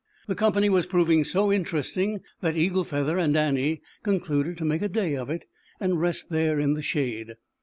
The company was proving so interest ing that Eagle Feather and Annie con cluded to make a day of it and rest there in the shade.